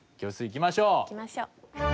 行きましょう。